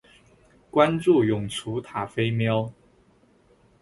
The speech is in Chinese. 关注永雏塔菲喵